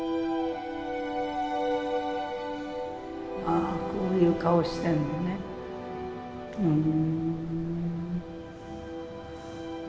ああこういう顔をしているのねふん。